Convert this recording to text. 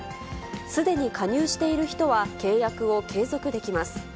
すでに加入している人は契約を継続できます。